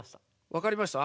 わかりました？